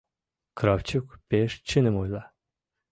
— Кравчук пеш чыным ойла.